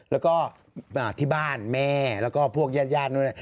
แล้วก็ที่บ้านแม่แล้วก็พวกญาติญาตินู้น